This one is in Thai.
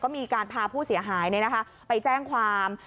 ก็มีการพาผู้เสียหายเนี้ยนะคะไปแจ้งความ